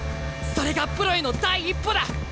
それがプロへの第一歩だ！